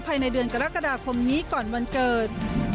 ภายในเดือนกรกฎาคมนี้ก่อนวันเกิด